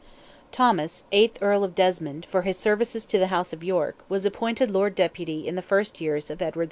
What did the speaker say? Thomas, eighth Earl of Desmond, for his services to the House of York, was appointed Lord Deputy in the first years of Edward IV.